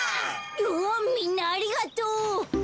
おおみんなありがとう！